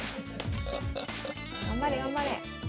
頑張れ頑張れ。